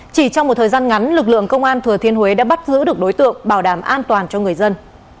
chỉ trong một thời gian ngắn lực lượng công an thừa thiên huế đã bắt giữ được đối tượng bảo đảm an toàn cho người dân